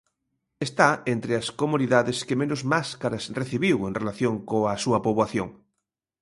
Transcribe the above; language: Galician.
Está entre as comunidades que menos máscaras recibiu en relación coa súa poboación.